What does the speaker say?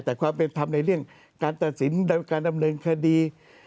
แต่ความเป็นธรรมในเรื่องการตัดสินการดำเนินคดี